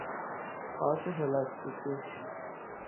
پارچ پلاستیکی